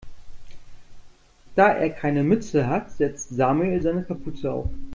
Da er keine Mütze hat, setzt Samuel seine Kapuze auf.